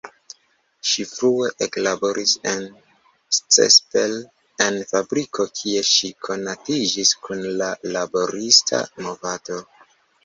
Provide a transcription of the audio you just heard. Ŝi frue eklaboris en Csepel en fabriko, kie ŝi konatiĝis kun la laborista movado.